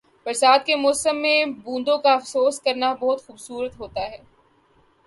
برسات کے موسم میں بوندوں کا افسوس کرنا بہت خوبصورتی ہوتا ہے۔